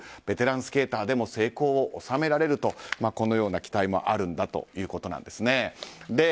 ベテランスケーターでも成功を収められるとこのような期待もあるんだということなんです。